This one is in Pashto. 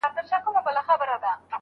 خاونده څه سول د ښار ښاغلي